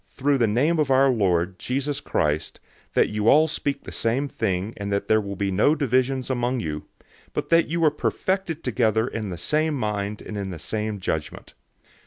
"} through the name of our Lord, Jesus Christ, that you all speak the same thing and that there be no divisions among you, but that you be perfected together in the same mind and in the same judgment.